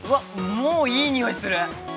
もういい匂いする。